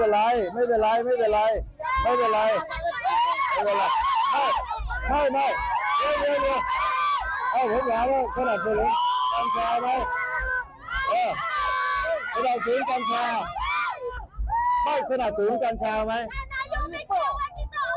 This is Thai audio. รออย่างนี้แหละอ่ะในนี้กัญชาไหม